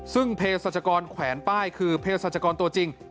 ซึ่งเพศรัชกรแขวนป้ายคือเพศรัชกรตัวจริง